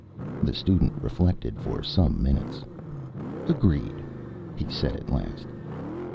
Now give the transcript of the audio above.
The student reflected for some minutes. "Agreed," he said at last.